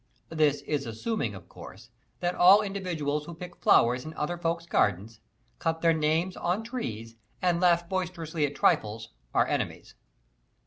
This is assuming, of course, that all individuals who pick flowers in other folks' gardens, cut their names on trees, and laugh boisterously at trifles, are enemies.